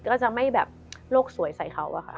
ก็จะไม่แบบโลกสวยใส่เขาอะค่ะ